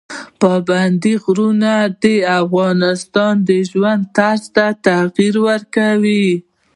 پابندي غرونه د افغانانو د ژوند طرز ته تغیر ورکوي.